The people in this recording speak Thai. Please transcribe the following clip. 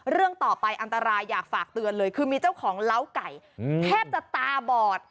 เรื่องต่อไปอันตรายอยากฝากเตือนเลยคือมีเจ้าของเล้าไก่แทบจะตาบอด